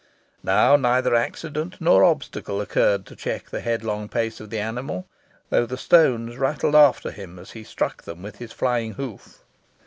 Now, neither accident nor obstacle occurred to check the headlong pace of the animal, though the stones rattled after him as he struck them with his flying hoof.